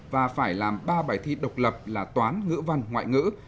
và phải làm ba bài thi độc lập là toán ngữ văn ngoại ngữ